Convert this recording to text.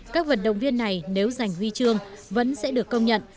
các vận động viên này nếu giành huy chương vẫn sẽ được công nhận